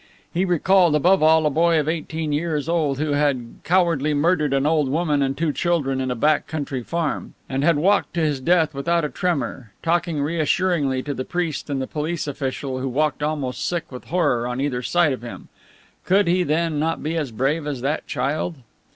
He recalled above all a boy of eighteen years old who had cowardly murdered an old woman and two children in a back country farm, and had walked to his death without a tremor, talking reassuringly to the priest and the police official, who walked almost sick with horror on either side of him. Could he, then, not be as brave as that child?